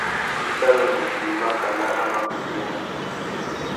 I tà nu zu djï makana a mà kutu ena.